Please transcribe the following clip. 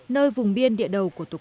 nơi vùng biên địa đầu của tục